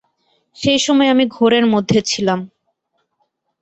সেই সময় আমি ঘোরের মধ্যে ছিলাম।